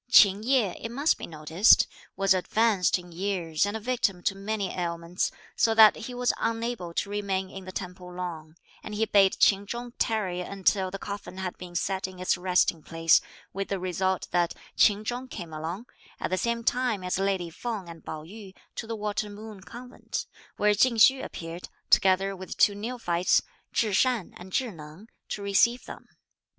Ch'in Yeh, it must be noticed, was advanced in years and a victim to many ailments, so that he was unable to remain in the temple long, and he bade Ch'in Chung tarry until the coffin had been set in its resting place, with the result that Ch'in Chung came along, at the same time as lady Feng and Pao yü, to the Water Moon Convent, where Ch'ing Hsü appeared, together with two neophytes, Chih Shan and Chih Neng, to receive them.